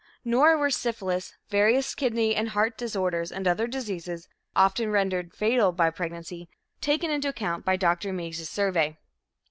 Nor were syphilis, various kidney and heart disorders and other diseases, often rendered fatal by pregnancy, taken into account by Dr. Meigs' survey.